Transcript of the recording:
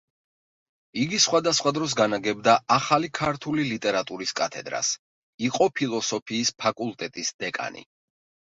იგი სხვადასხვა დროს განაგებდა ახალი ქართული ლიტერატურის კათედრას, იყო ფილოსოფიის ფაკულტეტის დეკანი.